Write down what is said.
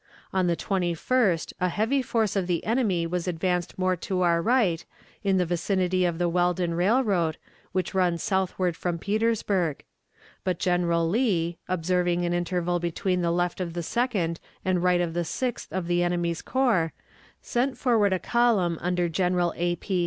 On the 21st a heavy force of the enemy was advanced more to our right, in the vicinity of the Weldon Railroad, which runs southward from Petersburg. But General Lee, observing an interval between the left of the Second and right of the Sixth of the enemy's corps, sent forward a column under General A. P.